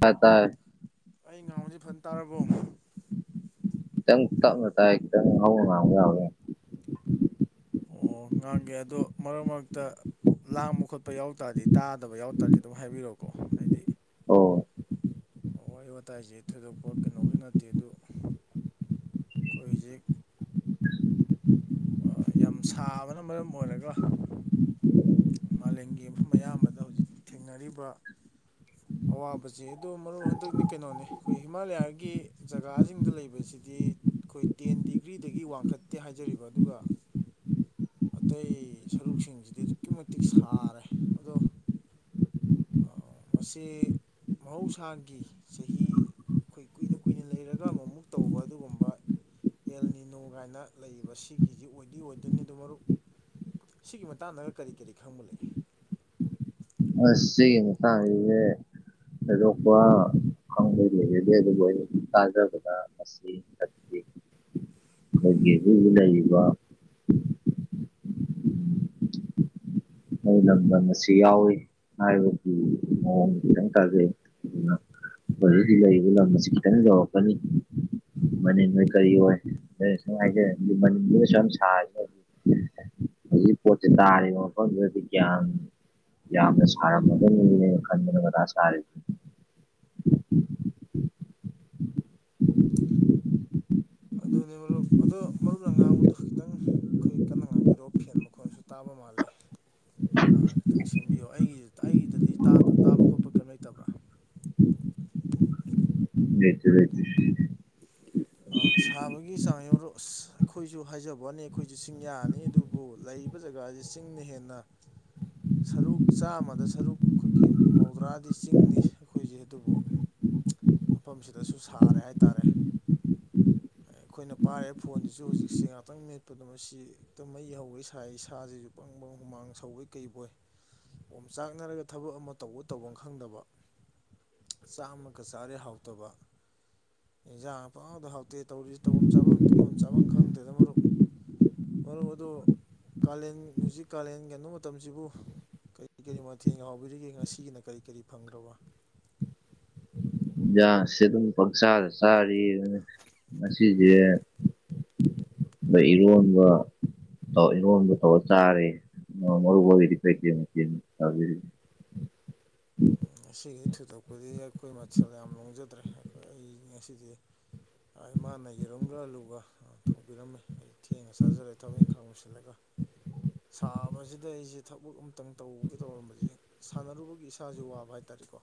ꯇꯥꯏ ꯇꯥꯏ ꯑꯩꯅꯥ ꯉꯥꯡꯕꯗꯤ ꯐꯖꯟ ꯇꯥꯔꯥꯕꯣ ꯈꯤꯇꯪ ꯇꯞꯅ ꯇꯥꯏ ꯈꯤꯇꯪ ꯍꯧ ꯉꯥꯡꯕ ꯌꯥꯕ꯭ꯔꯥ ꯌꯦꯉꯣ ꯑꯣ ꯉꯥꯡꯒꯦ ꯑꯗꯣ ꯃꯔꯛ ꯃꯔꯛꯇ ꯂꯥꯡꯕ ꯈꯣꯠꯄ ꯌꯥꯎ ꯇꯥꯔꯗꯤ ꯇꯥꯗꯕ ꯌꯥꯎ ꯇꯥꯔꯗꯤ ꯑꯗꯨꯝ ꯍꯥꯏꯕꯤꯔꯛꯑꯣꯀꯣ ꯍꯥꯏꯗꯤ ꯑꯣ ꯋꯥꯔꯤ ꯋꯥꯇꯥꯏꯖꯦ ꯊꯣꯏꯗꯣꯛꯄ ꯀꯩꯅꯣꯕꯗꯤ ꯅꯠꯇꯦ ꯑꯗꯨ ꯈꯣꯏ ꯍꯨꯖꯤꯛ ꯑꯥ ꯌꯥꯝ ꯁꯥꯕꯅ ꯃꯔꯝ ꯑꯣꯏꯔꯒ ꯃꯥꯂꯦꯝꯒꯤ ꯃꯐꯝ ꯑꯌꯥꯝꯕꯗ ꯍꯧꯖꯤꯛ ꯊꯦꯡꯅꯔꯤꯕ ꯑꯋꯥꯕꯖꯤ ꯑꯗꯣ ꯃꯔꯨꯞ ꯍꯟꯗꯛꯅꯤ ꯀꯩꯅꯣꯅꯤ ꯑꯈꯣꯏ ꯍꯤꯃꯥꯂꯌꯥꯒꯤ ꯖꯒꯥꯖꯤꯡꯗ ꯂꯩꯕꯁꯤꯗꯤ ꯑꯈꯣꯏ ꯇꯦꯟ ꯗꯤꯒ꯭ꯔꯤꯗꯒꯤ ꯋꯥꯡꯈꯠꯇꯦ ꯍꯥꯏꯖꯔꯤꯕ ꯑꯗꯨꯒ ꯑꯇꯩ ꯁꯔꯨꯛꯁꯤꯡꯖꯤꯗꯤ ꯑꯗꯨꯛꯀꯤ ꯃꯇꯤꯛ ꯁꯥꯔꯦ ꯑꯗꯣ ꯑꯥ ꯃꯁꯤ ꯃꯍꯧꯁꯥꯒꯤ ꯆꯍꯤ ꯈꯣꯏ ꯀꯨꯏꯅ ꯀꯨꯏꯅ ꯂꯩꯔꯒ ꯑꯃꯨꯛ ꯑꯃꯨꯛ ꯇꯧꯕ ꯑꯗꯨꯒꯨꯝꯕ ꯑꯦꯜꯅꯤꯅꯣ ꯀꯥꯏꯅ ꯂꯩꯕ ꯁꯤꯒꯤꯖꯤ ꯑꯣꯏꯗꯤ ꯑꯣꯏꯗꯣꯏꯅꯤ ꯑꯗꯨ ꯃꯔꯨꯞ ꯁꯤꯒꯤ ꯃꯇꯥꯡꯗꯒ ꯀꯔꯤ ꯀꯔꯤ ꯈꯪꯕ ꯂꯩ? ꯑꯁ ꯁꯤꯒꯤ ꯃꯇꯥꯡꯖꯤꯗꯤ ꯊꯣꯏꯗꯣꯛꯄ ꯈꯪꯕꯗꯤ ꯂꯩꯖꯗꯦ ꯑꯗꯨꯕꯨ ꯑꯩ ꯇꯥꯖꯕꯗ ꯑꯁ [inaudible] ꯈꯣꯏꯒꯤ [unintelligible] ꯂꯩꯔꯤꯕ ꯑꯩ ꯂꯝꯗꯝ ꯑꯁꯤ ꯌꯥꯎꯏ꯫ ꯍꯥꯏꯕꯗꯤ ꯃꯑꯣꯡ ꯈꯤꯇꯪ ꯀꯜꯂꯤ ꯑꯗꯨꯅ ꯍꯧꯖꯤꯛ ꯍꯧꯖꯤꯛ ꯂꯩꯔꯤꯕ ꯂꯝ ꯑꯁꯤ ꯈꯤꯇꯪ ꯌꯧꯔꯛꯀꯅꯤ ꯃꯅꯤꯟ ꯑꯣꯏ ꯀꯔꯤ ꯑꯣꯏ [unintelligible] ꯃꯅꯤꯟꯗꯨꯅ ꯁꯨꯝ ꯁꯥꯔꯒ [unintelligible] ꯗꯗꯤ ꯒ꯭ꯌꯥꯟ ꯌꯥꯝꯅ ꯁꯥꯔꯝꯃꯗꯕꯅꯤꯅꯦꯅ ꯈꯟꯗꯅ ꯃꯊꯥ ꯁꯥꯔꯤꯅꯤ꯫ ꯑꯗꯨꯅꯤ ꯃꯔꯨꯞ ꯑꯗꯨ ꯃꯔꯨꯞꯅ ꯉꯥꯡꯕꯗꯣ ꯈꯤꯇꯪ ꯈꯣꯏ ꯀꯟꯅ ꯉꯥꯡꯕꯤꯔꯛꯑꯣ ꯐꯦꯟ ꯃꯈꯣꯟꯁꯨ ꯇꯥꯕ ꯃꯥꯜꯂꯦ꯫ ꯑ ꯈꯤꯇꯪ ꯁꯦꯝꯕꯤꯌꯣ ꯑꯩꯒꯤ ꯑꯩꯒꯤꯗꯗꯤ ꯇꯥꯗ ꯇꯥꯕ ꯈꯣꯠꯄ ꯀꯩꯅꯝ ꯂꯩꯇꯕ꯭ꯔꯥ? ꯂꯩꯇꯦ ꯂꯩꯇꯦ ꯑ ꯁꯥꯕꯒꯤ ꯆꯥꯡꯖꯦ ꯃꯔꯨꯞ ꯑꯁ ꯑꯈꯣꯏꯖꯨ ꯍꯥꯏꯖꯕ ꯋꯥꯅꯤ ꯑꯈꯣꯏꯖꯨ ꯆꯤꯡꯌꯥꯅꯤ ꯑꯗꯨ ꯕꯨ ꯂꯩꯔꯤꯕ ꯖꯒꯥꯖꯤ ꯆꯤꯡꯅ ꯍꯦꯟꯅ ꯁꯔꯨꯛ ꯆꯥꯃꯗ ꯁꯔꯨꯛ ꯑꯩꯈꯣꯏꯒꯤ ꯃꯧꯗ꯭ꯔꯥꯗꯤ ꯆꯤꯡꯅꯤ ꯑꯩꯈꯣꯏꯖꯦ ꯑꯗꯨꯕꯨ ꯃꯐꯝꯁꯤꯗꯁꯨ ꯁꯥꯔꯦ ꯍꯥꯏꯇꯥꯔꯦ꯫ ꯑꯩꯈꯣꯏꯅ ꯄꯥꯏꯔꯤꯕ ꯐꯣꯟꯁꯤꯁꯨ ꯍꯧꯖꯤꯛꯁꯦ ꯉꯍꯥꯛꯇꯪ ꯃꯦꯠꯄꯗ ꯃꯁꯤ ꯍꯦꯛꯇ ꯃꯩ ꯍꯧꯋꯦ ꯁꯥꯏ ꯏꯁꯥꯖꯤꯖꯨ ꯄꯪꯕꯪ ꯍꯨꯃꯥꯡ ꯁꯧꯕꯣꯏ ꯀꯩꯕꯣꯏ ꯑꯣꯝ ꯆꯥꯛꯅꯔꯒ ꯊꯕꯛ ꯑꯃ ꯇꯧꯕ ꯇꯧꯕꯝ ꯈꯪꯗꯕ꯫ ꯆꯥꯛꯃꯛꯒ ꯆꯥꯔꯦ ꯍꯥꯎꯇꯕ ꯑꯦꯟꯖꯥꯡ ꯄꯥꯎꯗ ꯍꯥꯎꯇꯦ ꯇꯧꯔꯤꯖꯤ ꯇꯧꯕꯝ ꯆꯥꯕꯝ ꯇꯨꯝꯕꯝ ꯆꯥꯕꯝ ꯈꯪꯗꯦꯗ ꯃꯔꯨꯞ꯫ ꯃꯔꯨꯞ ꯑꯗꯨ ꯀꯥꯂꯦꯟ ꯍꯨꯖꯤꯛ ꯀꯥꯂꯦꯟ ꯀꯩꯅꯣ ꯃꯇꯝꯁꯤꯕꯨ ꯀꯔꯤ ꯀꯔꯤ ꯃꯊꯦꯡꯍꯥꯎꯕꯤꯔꯤꯒꯦ ꯉꯁꯤꯒꯤꯅ ꯀꯔꯤ ꯀꯔꯤ ꯐꯪꯈ꯭ꯔꯕ? ꯖꯥꯁꯦ ꯑꯗꯨꯝ ꯄꯪꯆꯥꯥꯗ ꯆꯥꯔꯤ ꯑꯗꯨꯅ ꯉꯁꯤꯖꯦ ꯏꯔꯣꯟꯕ ꯑꯧ ꯏꯔꯣꯟꯕꯨ ꯇꯧꯔ ꯆꯥꯔꯦ ꯃꯔꯨꯞ ꯍꯣꯏꯒꯤꯗꯤ ꯀꯩꯀꯩ ꯃꯊꯦꯟ ꯆꯥꯕꯤꯔꯤꯒꯦ? ꯉꯁꯤꯗꯤ ꯊꯣꯏꯗꯣꯛꯄꯗꯤ ꯑꯩꯈꯣꯏ ꯃꯊꯦꯜ ꯌꯥꯝ ꯂꯣꯡꯖꯗ꯭ꯔꯦ ꯑꯩ ꯉꯁꯤꯗꯤ ꯑꯥ ꯏꯃꯥꯅ ꯌꯦꯔꯨꯝꯒ ꯑꯂꯨꯒ ꯑ ꯊꯣꯡꯕꯤꯔꯝꯃꯦ ꯑꯩ ꯊꯦꯡꯅ ꯆꯥꯖꯔꯦ ꯊꯕꯛ ꯏꯪꯈꯥꯡ ꯂꯣꯏꯁꯤꯜꯂꯒ꯫ ꯁꯥꯕꯖꯤꯗ ꯑꯩꯖꯦ ꯊꯕꯛ ꯑꯝꯇꯪ ꯇꯧꯒꯦ ꯇꯧꯔꯝꯕꯖꯦ ꯁꯥꯟꯅꯔꯨꯕꯒꯤ ꯏꯁꯥ ꯏꯁꯥꯖꯨ ꯋꯥꯕ ꯍꯥꯏꯇꯥꯔꯦꯀꯣ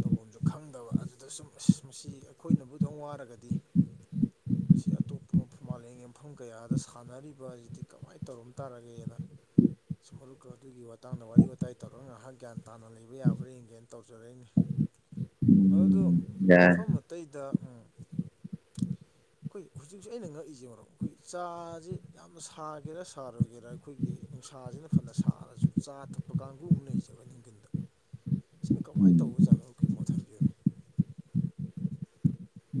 ꯇꯧꯕꯝꯁꯨ ꯈꯪꯗꯕ ꯑꯗꯨꯗ ꯁꯨꯝ ꯑꯁ ꯃꯁꯤ ꯑꯈꯣꯏꯅꯕꯨ ꯑꯗꯨꯌꯥꯝ ꯋꯥꯔꯒꯗꯤ [inaudible] ꯃꯁꯤ ꯑꯇꯣꯞꯄ ꯃꯐꯝ ꯃꯥꯂꯦꯝꯒꯤ ꯃꯐꯝ ꯀꯌꯥꯗ ꯁꯥꯟꯅꯔꯤꯕꯁꯤꯗꯤ ꯀꯃꯥꯏꯅ ꯇꯧꯔꯝ ꯇꯥꯔꯒꯦꯅ ꯁꯨꯝ ꯃꯔꯨꯞꯀ ꯑꯗꯨꯒꯤ ꯃꯇꯥꯡꯗ ꯋꯥꯔꯤ ꯋꯥꯇꯥꯏ ꯇꯧꯔꯒ ꯉꯍꯥꯛ ꯒ꯭ꯌꯥꯟ ꯇꯥꯅ ꯂꯩ ꯕ ꯌꯥꯕ꯭ꯔꯥ ꯌꯦꯡꯒꯦꯅ ꯇꯧꯖꯔꯛꯏꯅꯤ ꯎꯝ ꯑꯗꯨ ꯌꯥꯏ ꯃꯐꯝ ꯑꯇꯩꯗ ꯎꯝ ꯑꯩꯈꯣꯏ ꯍꯧꯖꯤꯛꯁ‌ꯦ ꯑꯩꯅ ꯉꯛꯏꯁꯦ ꯃꯔꯨꯞ ꯑꯩꯈꯣꯏ ꯆꯥꯁꯦ ꯌꯥꯝꯅ ꯁꯥꯒꯦꯔꯥ ꯁꯥꯔꯣꯏꯒꯦꯔꯥ ꯑꯩꯈꯣꯏꯒꯤ ꯅꯨꯡꯁꯥꯁꯤꯅ ꯐꯅ ꯁꯥꯔꯁꯨ ꯆꯥ ꯊꯛꯄ ꯀꯥꯡꯒꯨ ꯑꯃ ꯂꯩꯔꯤꯁꯦ ꯑꯩꯈꯣꯏ ꯅꯨꯡꯊꯤꯟꯗ ꯁꯤꯅ ꯀꯃꯥꯏꯅ ꯎꯝ ꯇꯧꯕ ꯖꯥꯠꯅ‌ꯣꯀꯤ ꯃꯣꯠ ꯊꯝꯕꯤꯌꯨꯅꯦ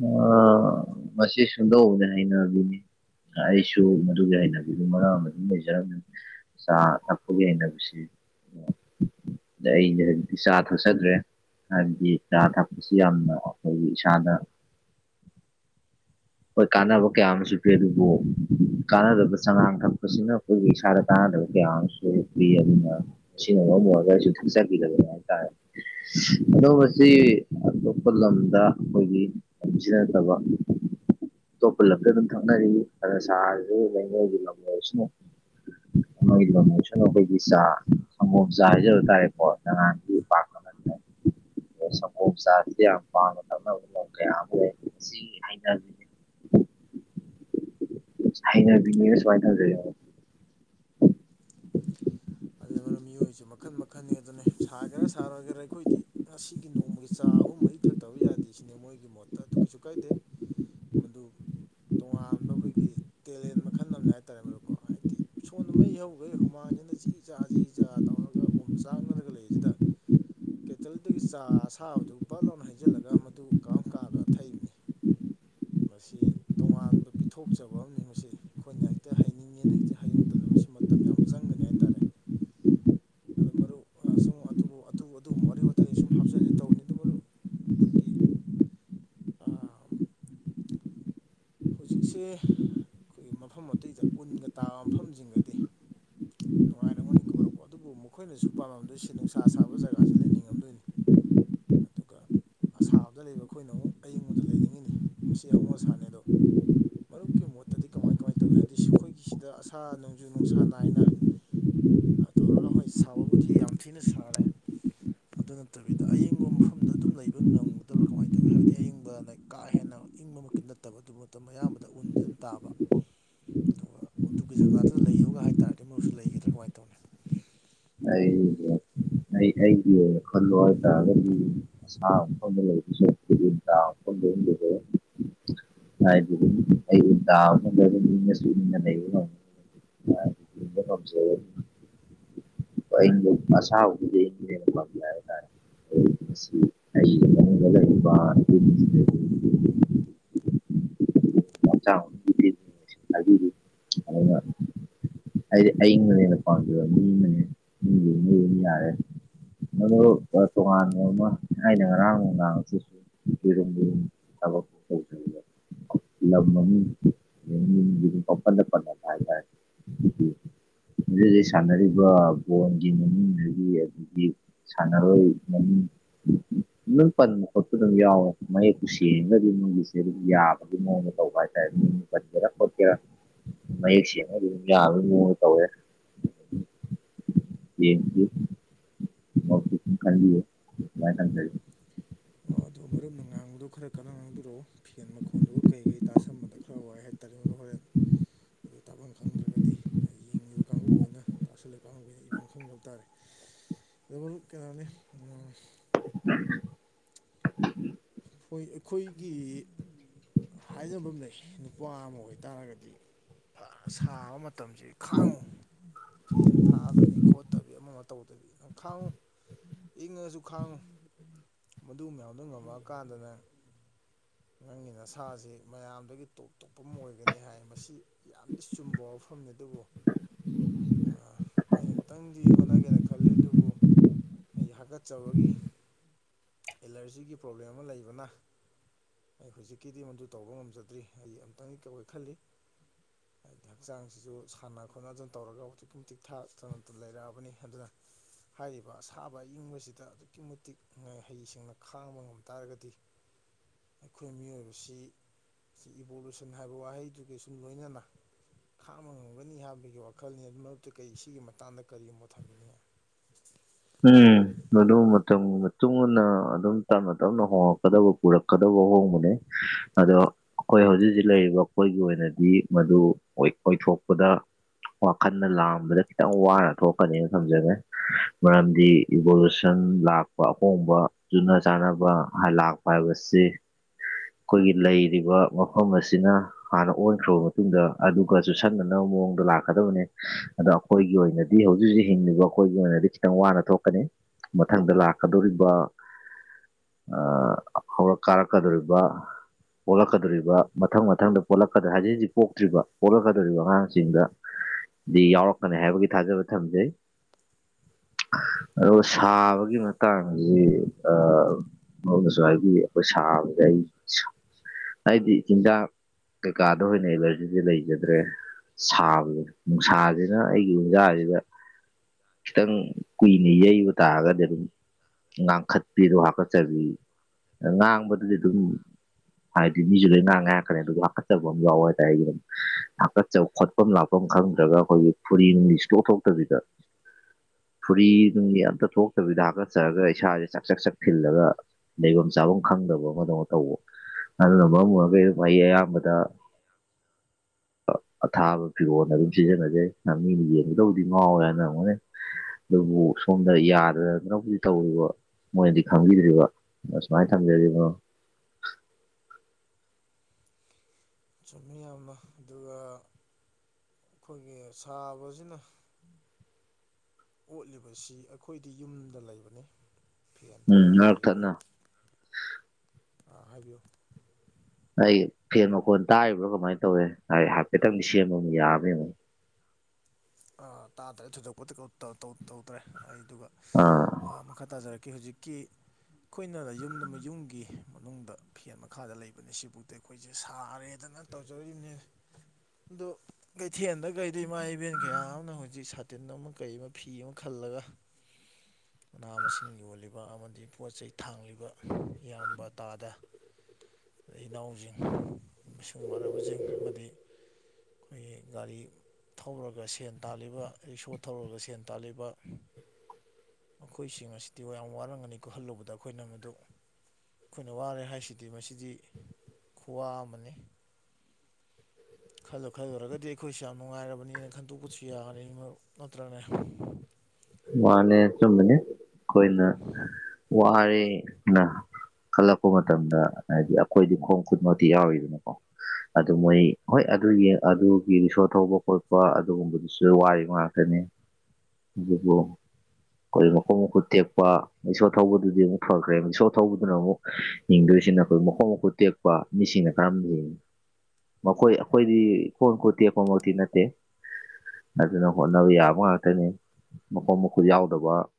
ꯑꯥ ꯃꯁꯤ ꯁꯨꯟꯗꯧꯕꯅꯤ ꯍꯥꯏꯅ ꯑꯗꯨꯒꯤ ꯑꯩꯁꯨ ꯃꯗꯨꯒꯤ ꯍꯩꯅꯕꯤꯗꯨ ꯃꯔꯥꯛ ꯑꯃ ꯑꯗꯨꯝ ꯂꯩꯖꯔꯝꯃꯤ ꯆꯥ ꯊꯛꯄꯒꯤ ꯍꯩꯅꯕꯤꯁꯦ [inaudible] ꯑꯩꯅ‌ꯦ ꯍꯧꯖꯤꯛꯇꯤ ꯆꯥ ꯊꯛꯆꯗ꯭ꯔꯦ ꯍꯥꯏꯕꯗꯤ ꯆꯥ ꯊꯛꯄꯁꯤ ꯌꯥꯝꯅ ꯑꯩꯈꯣꯏꯒꯤ ꯏꯁꯥꯗ ꯍ‌ꯣꯏ ꯀꯥꯟꯅꯕ ꯀꯌꯥ ꯑꯃꯁꯨ ꯄꯤ ꯑꯗꯨꯕꯨ ꯀꯥꯟꯅꯗꯕ ꯆꯉꯥꯡ ꯊꯛꯄꯁꯤꯅ ꯑꯩꯈꯣꯏꯒꯤ ꯏꯁꯥꯗ ꯀꯥꯟꯅꯗꯕ ꯀꯌꯥ ꯑꯃꯁꯨ ꯄꯤ ꯑꯗꯨꯅ ꯁꯤꯅ ꯃꯔꯝ ꯑꯣꯏꯔꯒ ꯑꯩꯁꯨ ꯊꯛꯆꯈꯤꯗꯕꯅꯤ ꯍꯥꯏꯇꯥꯔꯦ ꯑꯗ‌ꯦ ꯉꯁꯤ ꯑꯇꯣꯞꯄ ꯂꯝꯗ ꯑꯩꯈꯣꯏꯒꯤ ꯁꯤ ꯅꯠꯇꯕ ꯑꯇꯣꯞꯄ ꯂꯝꯗ ꯑꯗꯨꯝ ꯊꯛꯅꯔꯤ ꯑꯗ ꯁꯥꯔꯁꯨ ꯂꯩꯉꯣꯏꯒꯤ ꯂꯝ ꯑꯣꯏꯔꯁꯨ ꯂꯩꯉ‌‌ꯣꯏꯒꯤ ꯂꯝ ꯑ‌ꯣꯏꯁꯅꯨ ꯑꯩꯈꯣꯏꯒꯤ ꯆꯥ ꯁꯪꯒꯣꯝ ꯆꯥ ꯍꯥꯏꯖꯕ ꯇꯥꯔꯦ ꯀ‌ꯣ ꯅꯍꯥꯛꯀꯤ ꯄꯥꯝꯕꯗ ꯍꯥꯏ ꯇꯥꯔ‌ꯦ ꯁꯪꯒ‌ꯣꯝ ꯆꯥꯁꯤ ꯌꯥꯝ ꯄꯥꯝꯅ ꯊꯛꯅꯕ ꯃꯤꯑ‌ꯣꯏ ꯀꯌꯥ ꯑꯃ ꯂꯩ ꯁꯤꯒꯤ ꯍꯩꯅꯕꯤ ꯍꯩꯅꯕꯤꯅ‌ꯦꯅ ꯁꯨꯃꯥꯏ ꯊꯛꯑꯗꯤ ꯌꯥꯔꯔ‌ꯣꯏ ꯑꯗꯨꯅ‌ꯦ ꯃꯔꯝ ꯃꯤꯑꯣꯏꯕꯁꯨ ꯃꯈꯟ ꯃꯈꯜꯅꯤ ꯑꯗꯨꯅ‌ꯦ ꯁꯥꯒꯦꯔꯥ ꯁꯥꯔꯣꯏꯒꯦꯔꯥ ꯑꯩꯈꯣꯏꯗꯤ ꯉꯁꯤꯒꯤ ꯅꯣꯡꯃꯒꯤ ꯆꯥ ꯑꯍꯨꯝ ꯃꯔꯤ ꯊꯛꯇꯕ ꯌꯥꯗꯦ ꯁꯤꯅꯦ ꯃꯣꯏꯒꯤ ꯃꯣꯠꯇ ꯑꯗꯨ ꯀꯩꯁꯨ ꯀꯥꯏꯗꯦ ꯃꯗꯨ ꯇꯣꯉꯥꯟꯕ ꯑꯩꯈꯣꯏꯒꯤ ꯇꯦꯂꯦꯟ ꯃꯈꯜ ꯑꯃꯅꯦ ꯍꯥꯏꯇꯥꯥꯔꯦ ꯃꯔꯨꯞꯀꯣ ꯍꯥꯏꯗꯤ ꯁꯣꯝꯗ ꯃꯩ ꯍꯧꯈꯩ ꯍꯨꯃꯥꯡꯁꯤꯅ ꯆꯤ ꯆꯥ ꯆꯤꯆꯥ ꯇꯧꯅꯔꯒ ꯑꯣꯝ ꯆꯥꯛꯅꯔꯒ ꯂꯩꯔꯤꯁꯤꯗ ꯀꯦꯇꯜꯗꯒꯤ ꯆꯥ ꯑꯁꯥꯕꯗꯨ ꯕꯠ ꯂꯥꯎꯅ ꯍꯩꯖꯤꯜꯂꯒ ꯃꯗꯨ ꯀꯥꯝ ꯀꯥꯝꯗꯅ ꯊꯛꯏꯅ‌ꯦ ꯃꯁꯤ ꯇꯣꯉꯥꯟꯕ ꯄꯤꯊꯣꯛꯆꯕ ꯑꯃꯅꯤ ꯃꯁꯤ ꯑꯩꯈꯣꯏꯅ ꯍꯦꯛꯇ ꯍꯩꯅꯤꯡꯉꯦꯅ ꯍꯦꯛꯇ ꯍꯩ ꯃꯇꯝꯗ ꯃꯁꯤ ꯃꯇꯝ ꯌꯥꯝ ꯆꯪꯒꯅꯤ ꯍꯥꯏꯇꯥꯔꯦ ꯑꯗ‌ꯣ ꯃꯔꯨꯞ ꯑ ꯁꯨꯝ ꯑꯗꯨꯕꯨ ꯑꯗꯨ ꯑꯗꯨꯒꯨꯝꯕ ꯋꯥꯔꯤ ꯋꯥꯇꯥꯏ ꯁꯨꯝ ꯍꯥꯞꯆꯤꯟꯒ‌ꯦꯅ ꯇꯧꯕꯅꯤꯗ ꯃꯔꯨꯞ ꯑꯩꯈꯣꯏꯒꯤ ꯑꯥ ꯍꯧꯖꯤꯛꯁꯦ ꯑꯩꯈꯣꯏꯒꯤ ꯃꯐꯝ ꯑꯇꯩꯗ ꯎꯟꯒ ꯇꯥꯕ ꯃꯐꯝꯁꯤꯡꯒꯗꯤ ꯅꯨꯡꯉꯥꯏꯅꯤꯡꯉꯝꯅꯤꯀ‌ꯣ ꯃꯔꯨꯞ ꯑꯗꯨꯕꯨ ꯃꯈꯣꯏꯅꯁꯨ ꯄꯥꯝꯃꯝꯗꯣꯏꯁꯦ ꯅꯨꯡꯁꯥ ꯁꯥꯕ ꯖꯒꯥꯖꯤ ꯂꯩꯅꯤꯡꯉꯝꯗꯣꯏꯅꯤ ꯑꯗꯨꯒ ꯑꯁꯥꯕꯗ ꯂꯩꯕ ꯑꯩꯈꯣꯏꯅ ꯑꯃꯨꯛ ꯑꯩꯏꯪꯕꯗ ꯂꯩꯅꯤꯡꯉꯤꯅꯤ ꯃꯁꯤ ꯍꯧꯁꯥꯅꯤ ꯑꯗꯣ ꯃꯔꯨꯞꯀꯤ ꯃꯣꯠꯇꯗꯤ ꯀꯃꯥꯏ ꯀꯃꯥꯏꯅ ꯇꯧꯏꯤ ꯍꯥꯏꯗꯤ ꯁꯤ ꯑꯈꯣꯏꯒꯤꯁꯤꯗ ꯑꯁꯥ ꯅꯣꯡꯖꯨ ꯅꯨꯡꯁꯥ ꯅꯥꯏꯅ ꯇꯧꯔꯒ ꯍꯣꯏ ꯁꯥꯕꯕꯨꯗꯤ ꯌꯥꯝ ꯊꯤꯅ ꯁꯥꯔꯦ ꯑꯗꯨ ꯅꯠꯇꯕꯤꯗ ꯑꯌꯤꯡꯕ ꯃꯐꯝꯗ ꯑꯗꯨꯝ ꯂꯩꯕ ꯉꯝꯒꯗꯕ꯭ꯔꯥ ꯀꯃꯥꯏꯅ ꯇꯧꯋꯤ ꯍꯥꯏꯕꯗꯤ ꯑꯌꯤꯡꯕꯅ ꯀꯥ ꯍꯦꯟꯅ ꯏꯪꯕꯃꯛꯇꯤ ꯅꯠꯇꯕ ꯑꯗꯨꯕꯨ ꯃꯇ‌ꯝ ꯑꯌꯥꯝꯕꯗ ꯎꯟꯗ ꯑꯗꯨꯝ ꯇꯥꯕ ꯑꯗꯨꯒ ꯑꯗꯨꯒꯤ ꯖꯒꯥꯗꯨꯗ ꯂꯩꯌꯨꯒ ꯍꯥꯏ ꯇꯥꯔꯗꯤ ꯃꯔꯨꯞꯁꯨ ꯂꯩꯒꯗ꯭ꯔꯥ ꯀꯃꯥꯏꯅ ꯇꯧꯅꯤ ꯑꯩꯒꯤ ꯑꯩ ꯑꯩꯒꯤ ꯑ‌ꯣꯏꯅ ꯈꯜꯂꯣ ꯍꯥꯏꯇꯥꯔꯒꯗꯤ ꯑꯁꯥꯕ ꯃꯐꯝꯗ ꯂꯩꯕꯁ‌ꯦ ꯑꯩꯈ‌ꯣꯏꯒꯤ ꯗꯥꯎ [unintelligible] ꯍꯥꯏꯗꯤ ꯑꯩꯒꯤ ꯗꯥꯎ [unintelligible] [unintelligible] [unintelligible] ꯍꯥꯏꯇꯥꯔꯦ ꯑꯩ ꯃꯁꯤ ꯑꯩꯒꯤ ꯏꯃꯨꯡꯗ ꯂꯩꯔꯤꯕ [unintelligible] [inaudible] ꯍꯛꯆꯥꯡ [unintelligible] ꯑꯗꯨꯒꯤ ꯑꯗꯨꯅ ꯑꯩꯗꯤ ꯑꯌꯤꯡꯕꯅ ꯍꯦꯟꯅ ꯄꯥꯝꯖꯕ ꯃꯤꯅꯤꯅꯦ ꯏꯪꯕꯨ ꯏꯪꯉꯗꯤ ꯑꯗꯨꯝ ꯌꯥꯔꯦ ꯑꯗ‌ꯣꯛ ꯑ‌ ꯇ‌ꯣꯡꯉꯥꯟꯕ ꯑꯃ ꯍꯥꯏꯅ ꯉꯔꯥꯡ ꯅꯨꯡꯗꯥꯡꯁꯤ ꯑꯣꯏꯔꯝꯗ꯭ꯔ‌ꯦꯅ‌ꯦ ꯊꯕꯛ [unintelligible] ꯂꯝ ꯃꯃꯤꯡ [unintelligible] ꯍꯥꯏꯇꯥꯔꯦ ꯑꯗꯨꯒꯤ ꯍꯧꯖꯤꯛ ꯍꯧꯖꯤꯛ ꯁꯥꯟꯅꯔꯤꯕ ꯕꯣꯟꯒꯤ ꯃꯃꯤꯡꯗꯨꯗꯤ ꯑꯗꯨꯒꯤ ꯁꯥꯟꯅꯔꯣꯏ ꯃꯃꯤꯡ ꯅꯣꯏ ꯄꯟꯕ ꯈꯣꯠꯄ ꯑꯗꯨꯝ ꯌꯥꯎꯋꯦ ꯃꯌꯦꯛꯄꯨ ꯁꯦꯡꯉꯒꯗꯤ ꯃꯣꯏꯒꯤꯁꯦ ꯑꯗꯨꯝ ꯌꯥꯕꯒꯤ ꯃꯑꯣꯡꯗ ꯇꯧꯕ ꯍꯥꯏꯇꯥꯔꯦ ꯇꯠꯀ‌ꯦꯔꯥ ꯈꯣꯠꯀꯦꯔꯥ ꯃꯌꯦꯛ ꯁꯦꯡꯉ ꯑꯗꯨꯝ ꯌꯥꯕꯩ ꯃꯑꯣꯡꯗ ꯇꯧꯔ‌ꯦ [unintelligible] ꯑꯣ ꯑꯗꯣ ꯃꯔꯨꯞꯅ ꯉꯥꯡꯕꯗꯣ ꯈꯔ ꯀꯟꯅ ꯉꯥꯡꯕꯤꯔꯛꯑꯣ ꯐꯦꯟ ꯃꯈꯣꯟꯗꯨꯒ ꯀꯩꯒ ꯑꯩ ꯇꯥꯁꯟꯕꯗ ꯈꯔ ꯋꯥꯏ ꯍꯥꯏ ꯇꯥꯖꯧꯒ‌ꯣꯗ ꯍ‌ꯣꯔ‌ꯦꯟ ꯑꯗꯨ ꯇꯥꯕꯝ ꯈꯪꯗ꯭ꯔꯒꯗꯤ ꯌꯦꯡꯉꯤꯕ ꯀꯥꯡꯕꯨꯒꯩꯅ ꯇꯥꯁꯜꯂꯤ ꯀꯥꯡꯕꯨꯒꯩꯅ ꯏꯕꯝ ꯈꯪꯗꯕ ꯇꯥꯔꯦ ꯂ‌ꯦꯕ‌ꯦꯜ ꯀꯩꯅ‌ꯣꯅꯤ ꯑ [unintelligible] ꯍꯣꯏ ꯑꯩꯈꯣꯏꯒꯤ ꯍꯥꯏꯅꯕꯝ ꯂꯩ ꯅꯨꯄꯥ ꯑꯃ ꯑꯣꯏꯇꯥꯔꯒꯗꯤ ꯐ ꯁꯥꯕ ꯑꯃ ꯃꯇꯝꯁ‌ꯦ ꯈꯥꯡꯉꯨ ꯐꯦꯟ ꯊꯥꯗꯕꯤ ꯈꯣꯠꯇꯕꯤ ꯑꯃꯃ ꯇꯧꯗꯕꯤꯗ ꯈꯥꯡꯉꯨ ꯏꯪꯉꯁꯨ ꯈꯥꯡꯉꯨ ꯃꯗꯨ ꯃꯌꯥꯝꯗꯣ ꯉꯝꯃꯛ ꯀꯥꯟꯗ ꯅꯪ ꯅꯪꯒꯤ ꯅꯁꯥꯖ‌ꯦ ꯃꯌꯥꯝꯗꯒꯤ ꯇꯣꯞ ꯇꯣꯞꯄ ꯑꯃ ꯑꯣꯏꯒꯅꯤ ꯍꯥꯏ ꯃꯁꯤ ꯌꯥꯝꯗꯤ ꯆꯨꯝꯕ ꯋꯥꯐꯝꯅꯤ ꯑꯗꯨꯕꯨ ꯑ‌ ꯑꯩ ꯑꯃꯝꯇꯪꯗꯤ ꯍꯣꯠꯅꯒꯦꯅ ꯈꯜꯂꯤ ꯑꯗꯨꯕꯨ ꯑꯩ ꯍꯥꯒꯠꯆꯕꯒꯤ ꯑꯦꯂ꯭ꯔꯖꯤꯒꯤ ꯄ꯭ꯔꯣꯕ꯭ꯂꯦꯝ ꯑꯃ ꯂꯩꯕꯅ ꯑꯩ ꯍꯧꯖꯤꯛꯀꯤꯗꯤ ꯃꯗꯨ ꯇꯧꯕ ꯉꯝꯖꯗ꯭ꯔꯤ ꯑꯩ ꯑꯝꯇꯪ ꯀꯧꯋꯦ ꯈꯜꯂꯤ ꯍꯥꯏꯇꯥ ꯍꯛꯆꯥꯡꯁꯤꯁꯨ ꯁꯥꯟꯅ ꯈꯣꯠꯅꯖ ꯇꯧꯔꯒ ꯑꯗꯨꯛꯀꯤ ꯃꯇꯤꯛ ꯊꯥꯛꯇꯅꯇ ꯂꯩꯔꯛꯑꯕꯅꯤ ꯑꯗꯨꯅ ꯍꯥꯏꯔꯤꯕ ꯑꯁꯥꯕ ꯑꯏꯪꯕꯁꯤꯗ ꯑꯗꯨꯛꯀꯤ ꯃꯇꯤꯛ ꯍꯩꯁꯤꯡꯅ ꯈꯥꯡꯕ ꯉꯝ ꯇꯥꯔꯒꯗꯤ ꯑꯩꯈꯣꯏ ꯃꯤꯑꯣꯏꯕꯁꯤ ꯁꯤ ꯏꯕꯣꯂꯨꯁꯟ ꯍꯥꯏꯕ ꯋꯥꯍꯩꯗꯨꯒꯤ ꯁꯨꯝ ꯂꯣꯏꯅꯅ ꯈꯥꯡꯕ ꯉꯝꯃꯒꯅꯤ ꯍꯥꯏꯕꯒꯤ ꯋꯥꯈꯜꯅꯤ ꯑꯗꯨ ꯃꯔꯛꯇ ꯀꯩ ꯁꯤꯒꯤ ꯃꯇꯥꯡꯗ ꯀꯔꯤꯒꯨꯝꯕ ꯊꯝꯕꯤꯅꯤꯡꯉ‌ꯦ ꯎꯝ ꯃꯗꯨ ꯃꯇꯝꯒꯤ ꯃꯇꯨꯡ ꯏꯟꯅ ꯑꯗꯨꯝ ꯇꯞꯅ ꯇꯞꯅ ꯍꯣꯡꯉꯛꯀꯗꯕ ꯄꯨꯔꯛꯀꯗꯕ ꯑꯍꯣꯡꯕꯅꯦ ꯑꯗꯣ ꯑꯈꯣꯏ ꯍꯧꯖꯤꯛ ꯍꯧꯖꯤꯛ ꯂꯩꯔꯤꯕ ꯑꯩꯈꯣꯏꯒꯤ ꯑꯣꯏꯅꯗꯤ ꯃꯗꯨ ꯑꯣꯏ ꯑꯣꯏꯊꯣꯛꯄꯗ ꯋꯥꯈꯟꯅ ꯂꯥꯝꯕꯗ ꯈꯤꯇꯪ ꯋꯥꯅ ꯊꯣꯛꯀꯅꯤꯅ ꯊꯝꯖꯒ‌ꯦ ꯃꯔꯝꯗꯤ ꯏꯚꯣꯂꯨꯁꯟ ꯂꯥꯛꯄ ꯑꯍꯣꯡꯕ ꯆꯨꯅ ꯆꯥꯅꯕ ꯍꯥꯏꯂꯥꯛꯄ ꯍꯥꯏꯕꯁꯤ [inaudible] ꯑꯩꯈꯣꯏꯒꯤ ꯂꯩꯔꯤꯕ ꯃꯐꯝ ꯑꯁꯤꯅ ꯍꯥꯟꯅ ꯑꯣꯟꯈ꯭ꯔꯕ ꯃꯇꯨꯡꯗ ꯑꯗꯨꯒ ꯆꯨꯁꯟꯅꯅꯕ ꯃꯑꯣꯡꯗ ꯂꯥꯛꯀꯗꯕꯅꯦ ꯑꯗ ꯑꯩꯈꯣꯏꯒꯤ ꯑꯣꯏꯅꯗꯤ ꯍꯧꯖꯤꯛ ꯍꯧꯖꯤꯛ ꯍꯤꯡꯉꯤꯕ ꯑꯩꯈꯣꯏꯒꯤ ꯑꯣꯏꯅꯗꯤ ꯈꯤꯇꯪ ꯋꯥꯅ ꯊꯣꯛꯀꯅꯤ ꯃꯊꯪꯗ ꯂꯥꯛꯀꯗ‌ꯣꯔꯤꯕ ꯑꯥ ꯑꯐꯕ ꯀꯥꯔꯛꯀꯗ‌ꯣꯔꯤꯕ ꯄꯣꯛꯂꯛꯀꯗꯨꯔꯤꯕ ꯃꯊꯪ-ꯃꯊꯪꯗ ꯄꯣꯂꯛꯀꯗ ꯍꯧꯖꯤꯛ-ꯍꯧꯖꯤꯛ ꯄꯣꯛꯇ꯭ꯔꯤꯕ ꯄꯣꯛꯂꯛꯀꯗꯨꯔꯤꯕ ꯑꯉꯥꯡꯁꯤꯡꯗ [inaudible] ꯗꯤ ꯌꯥꯎꯔꯛꯀꯅꯤ ꯍꯥꯏꯕꯒꯤ ꯊꯥꯖꯕ ꯊꯝꯖꯩ ꯑꯗꯨꯒ ꯁꯥꯕꯒꯤ ꯃꯇꯥꯡꯖꯤ ꯑꯥ ꯑꯗꯣꯝꯅꯁꯨ ꯍꯥꯏꯕꯤ ꯄꯩ ꯁꯥꯕꯗ ꯑꯩ ꯁꯥ ꯍꯥꯏꯗꯤ ꯆꯤꯟꯖꯥꯛ ꯀꯩꯀꯥꯗ ꯑꯣꯏꯅ ꯑꯦꯂꯔꯖꯤꯗꯤ ꯂꯩꯖꯗ꯭ꯔꯦ ꯁꯥꯕꯗꯨ ꯅꯨꯡꯁꯥꯖꯤꯅ ꯑꯩꯒꯤ ꯎꯟꯖꯥꯖꯤꯗ ꯈꯤꯇꯪ ꯀꯨꯏꯅ ꯌꯩꯕ ꯇꯥꯔꯒꯗꯤ ꯑꯗꯨꯝ ꯉꯥꯡꯈꯠꯄꯤꯗꯣ ꯍꯥꯀꯠꯆꯕꯤ ꯑꯉꯥꯡꯕꯗꯨꯗꯤ ꯑꯗꯨꯝ ꯍꯥꯏꯗꯤ ꯃꯤꯖꯨ ꯂꯣꯏꯅ ꯉꯥꯡꯉꯀꯅꯤ ꯑꯗꯨꯒ ꯍꯥꯀꯠꯆꯕ ꯑꯃ ꯌꯥꯎꯕ ꯍꯥꯏꯇꯔ‌ꯦ ꯑꯩꯒꯤꯅ ꯑꯃꯨꯛ ꯍꯥꯀꯠꯆꯕ ꯈꯣꯠꯄꯝ-ꯂꯥꯛꯄꯝ ꯈꯪꯗ꯭ꯔꯒ ꯑꯩꯈꯣꯏꯒꯤ ꯐꯨꯔꯤ ꯅꯨꯡꯂꯤ ꯁꯨꯡꯊ‌ꯣꯛꯊꯣꯛꯇꯕꯤꯗ ꯐꯨꯔꯤ ꯅꯨꯡꯂꯤ ꯑꯝꯇ ꯊꯣꯛꯇꯕꯤꯗ ꯍꯥꯀꯠꯆꯔꯒ ꯏꯁꯥꯖ‌ꯦ ꯆꯛ-ꯆꯛ-ꯆꯛ ꯊꯤꯜꯂꯒ ꯂꯩꯕꯝ ꯆꯥꯕꯝ ꯈꯪꯗꯕ ꯑꯃꯗꯧꯅ ꯇꯧꯕ ꯑꯗꯨꯅ ꯃꯔꯝ ꯑꯣꯏꯔꯒ [unintelligible] ꯑꯩ ꯌꯦ ꯑꯌꯥꯝꯕꯗ ꯑꯥ ꯑꯊꯥꯕ ꯐꯤꯔꯣꯟ ꯑꯗꯨꯝ ꯁꯤꯖꯤꯟꯅꯖꯩ ꯅꯃꯤꯅ ꯌꯦꯡꯕꯗꯕꯨꯗꯤ ꯉꯥꯎꯋꯦ ꯍꯥꯏꯅ__ ꯉꯣꯋꯦ ꯑꯗꯨꯕꯨ ꯁꯣꯝꯗ ꯌꯥꯗꯗꯅꯕꯨꯗꯤ ꯇꯧꯔꯤꯕ ꯃꯣꯏꯅꯗꯤ ꯈꯪꯕꯤꯗ꯭ꯔꯤꯕ ꯑꯁꯨꯃꯥꯏꯅ ꯊꯝꯖꯔꯤꯕꯣ ꯆꯨꯝꯃꯤ ꯌꯥꯝꯅ ꯑꯗꯨꯒ ꯑꯩꯈꯣꯏꯒꯤ ꯁꯥꯕꯖꯤꯅ ꯑꯣꯠꯂꯤꯕꯁꯤ ꯑꯩꯈꯣꯏꯗꯤ ꯌꯨꯝꯗ ꯂꯩꯕꯅꯤ ꯐꯦꯟ ꯎꯝ ꯊꯥꯔꯒ ꯉꯛ ꯂꯩꯕꯅꯤ ꯊꯠꯅ ꯑꯥ ꯍꯥꯏꯕꯤꯌꯨ ꯑꯩ ꯐꯦꯟ ꯃꯈꯣꯟ ꯇꯥꯔꯤꯕ꯭ꯔ‌ꯣ ꯀꯃꯥꯏ ꯇꯧꯋꯦ ꯑꯩ ꯍꯥꯏꯐꯦꯠꯇꯪꯗꯤ ꯁꯦꯝꯕꯅꯤ ꯌꯥꯔꯕ꯭ꯔ ꯌ‌ꯦꯡ ꯉꯨ__ ꯑꯥ ꯇꯥꯗ꯭ꯔꯦ ꯊꯣꯏꯗꯣꯛꯄꯗꯤ ꯀꯅꯣ ꯇꯧ ꯇꯧ ꯇꯧꯗ꯭ꯔꯦ ꯑꯩ ꯑꯗꯨꯒ ꯑꯥ ꯃꯈꯥ ꯇꯥꯖꯔꯛꯀꯦ ꯍꯨꯖꯤꯛꯀꯤ ꯑꯩꯈꯣꯏꯅꯒ ꯌꯨꯝꯗ ꯌꯨꯝꯒꯤ ꯃꯅꯨꯡꯗ ꯐꯦꯟ ꯃꯈꯥꯗ ꯂꯩꯕꯅꯤ ꯁꯤꯕꯨꯛꯇ ꯑꯩꯈꯣꯏꯖꯦ ꯁꯥꯔꯦꯗꯅ ꯇꯧꯖꯔꯤꯝꯅꯤꯌꯦ ꯑꯗꯨ ꯀꯩꯊꯦꯟꯗ ꯀꯩꯗꯣ ꯏꯃꯥ ꯏꯕꯦꯟ__ ꯀꯌꯥ ꯑꯃꯅ ꯍꯧꯖꯤꯛ ꯁꯥꯇꯤꯟ ꯑꯃ ꯀꯩ ꯑꯃ ꯐꯤ ꯑꯃ ꯈꯜꯂꯒ ꯃꯅꯥ ꯃꯁꯤꯡ ꯌꯣꯜꯂꯤꯕ ꯑꯃꯗꯤ ꯄꯣꯠ ꯆꯩ ꯊꯥꯡꯂꯤꯕ ꯏꯌꯥꯝꯕ ꯇꯥꯗ ꯑꯗꯩ ꯏꯅꯥꯎꯖꯤꯡ ꯏꯂꯨꯡ ꯏꯃꯥꯟꯅꯕꯖꯤꯡ ꯑꯃꯗꯤ ꯑꯩꯈꯣꯏꯒꯤ ꯒꯥꯔꯤ ꯊꯧꯔꯒ ꯁꯤ__ ꯌꯦꯟ ꯇꯥꯜꯂꯤꯕ ꯔꯤꯛꯁ‌ꯣ ꯊꯧꯔꯒ ꯁꯦꯟ ꯇꯥꯜꯂꯤꯕ ꯃꯈꯣꯏꯁꯤꯡ ꯑꯁꯤꯗꯤ ꯌꯥꯝ ꯋꯥꯔꯝꯒꯅꯤꯀꯣ ꯍꯜꯂꯨꯕꯗ ꯑꯩꯈꯣꯏꯅ ꯃꯗꯨ ꯑꯩꯈꯣꯏꯅ ꯋꯥꯔꯦ ꯍꯥꯏꯁꯤꯗꯤ ꯃꯁꯤꯗꯤ ꯈꯨꯋꯥ ꯑꯃꯅꯤ ꯈꯜꯂꯨ-ꯈꯜꯂꯨꯔꯒꯗꯤ ꯑꯩꯈꯣꯏꯁꯦ ꯌꯥꯝ ꯅꯨꯡꯉꯥꯏꯔꯕꯅꯤꯅ ꯈꯟꯗꯣꯛꯄ__ ꯁꯤ ꯌꯥꯔꯤꯝ ꯃꯔꯨꯞ ꯅꯠꯇ꯭ꯔꯅꯦ ꯃꯥꯅꯦ ꯑꯆꯨꯝꯕꯅꯤ ꯑꯩꯈꯣꯏꯅ ꯋꯥꯔꯦꯅ ꯈꯜꯂꯛꯄ ꯃꯇꯝꯗ ꯍꯥꯏꯕꯗꯤ ꯑꯩꯈꯣꯏꯗꯤ ꯈꯣꯡ ꯈꯨꯠꯃꯛꯇꯤ ꯌꯥꯎꯔꯤꯗꯅꯀꯣ ꯑꯗꯨ ꯃꯣꯏ ꯍꯣꯏ ꯑꯗꯨꯒꯤ-ꯑꯗꯨꯒꯤ ꯔꯤꯛꯁꯣ ꯊꯧꯕ ꯈꯣꯠꯄ ꯑꯗꯨꯒꯨꯝꯕꯗꯨꯁꯨ ꯋꯥꯔꯤꯕ ꯉꯥꯛꯇꯅꯤ ꯕꯨ ꯑꯩꯈꯣꯏ ꯃꯈ‌ꯣꯡ-ꯃꯈꯨꯠ ꯇꯦꯛꯄ ꯔꯤꯛꯁ‌ꯣ ꯊꯧꯕꯗꯨꯗꯤ ꯑꯃꯨꯛ ꯐꯈ꯭ꯔꯦ ꯔꯤꯛꯁ‌ꯣ ꯊꯧꯕꯗꯨꯅ ꯑꯃꯨꯛ ꯌꯤꯡꯗꯣꯏꯁꯤꯅ ꯑꯩꯈꯣꯏ ꯃꯈꯣꯡ ꯃꯈꯨꯠ ꯇꯦꯛ__ ꯄ ꯃꯤꯁꯤꯡꯅ ꯀꯔꯝꯕ ꯌꯦꯡ__ [inaudible] ꯃꯈꯣꯏ ꯑꯩꯈꯣꯏꯗꯤ ꯀꯣꯟ ꯈꯨꯠꯇꯦꯛꯄ ꯃꯛꯇꯤ ꯅꯠꯇꯦ ꯑꯗꯨꯅ ꯍꯣꯠꯅꯕ ꯌꯥꯕ ꯉꯥꯛꯇꯅꯤ ꯃꯈꯣꯡ ꯃꯈꯨꯠ ꯌꯥꯎꯗꯕ